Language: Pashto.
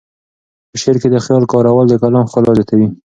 په شعر کې د خیال کارول د کلام ښکلا زیاتوي.